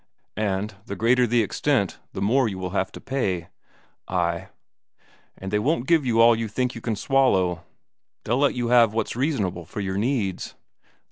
"And the greater the extent, the more you will have to pay." "Ay." "And they won't give you all you think you can swallow; they'll let you have what's reasonable for your needs."